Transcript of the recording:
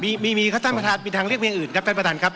มีมีครับท่านประธานมีทางเลือกเพียงอื่นครับท่านประธานครับ